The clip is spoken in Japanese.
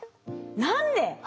何で？